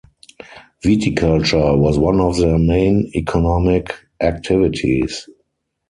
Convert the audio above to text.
Viticulture was one of their main economic activities.